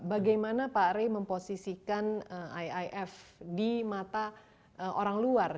bagaimana pak rey memposisikan iif di mata orang luar